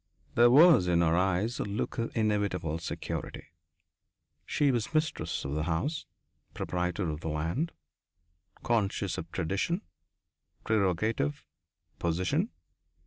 There was in her eyes a look of inevitable security. She was mistress of the house, proprietor of the land, conscious of tradition, prerogative, position.